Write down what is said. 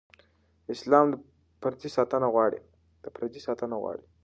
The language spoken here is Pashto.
اسلام د پردې ساتنه غواړي.